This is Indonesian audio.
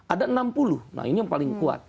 ada enam puluh nah ini yang paling kuat